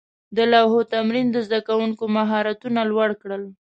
د لوحو تمرین د زده کوونکو مهارتونه لوړ کړل.